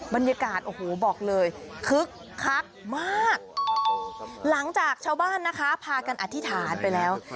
บรรยากาศโอ้โหบอกเลยคึกคักมากหลังจากชาวบ้านนะคะพากันอธิษฐานไปแล้ว